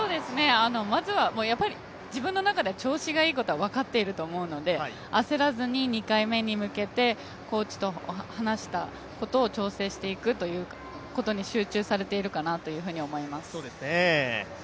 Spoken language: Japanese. まずは自分の中では調子がいいことは分かっていると思うので焦らずに２回目に向けてコーチと話したことを調整してくということに集中されてるかなと思います。